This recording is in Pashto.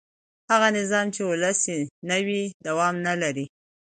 هغه نظام چې ولسي نه وي دوام نه لري